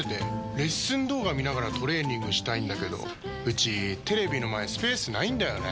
レッスン動画見ながらトレーニングしたいんだけどうちテレビの前スペースないんだよねー。